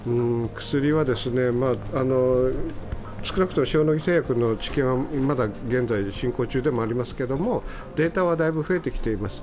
薬は少なくとも塩野義製薬の治験は現在、進行中でもありますけれども、データはだいぶ増えてきております。